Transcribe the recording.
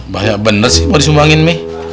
banyak bener sih mau disumbangin mih